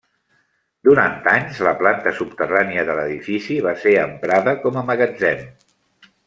Durant anys, la planta subterrània de l'edifici va ser emprada com a magatzem.